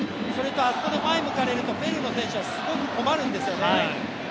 あそこで前を向かれるとペルーの選手はすごく困るんですよね。